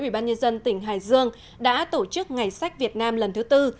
ủy ban nhân dân tỉnh hải dương đã tổ chức ngày sách việt nam lần thứ tư